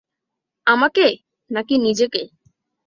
আমাকে নাকি নিজেকে?